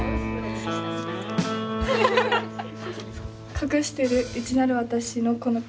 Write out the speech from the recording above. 「隠してる内なる私のこの気持ち